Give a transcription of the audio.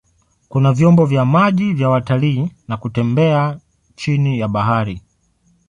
Kuna vyombo vya maji vya watalii na kutembea chini ya bahari.